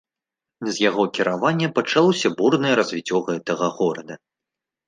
З яго кіравання пачалося бурнае развіццё гэтага горада.